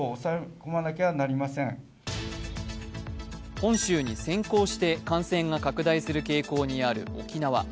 本州に先行して感染が拡大する傾向にある沖縄。